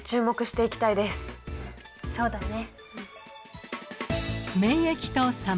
そうだね。